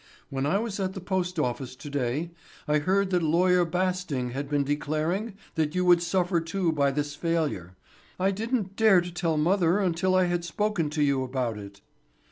"When I was at the post office to day, I heard that Lawyer Basting had been declaring that you would suffer too by this failure. I didn't dare to tell mother until I had spoken to you about it."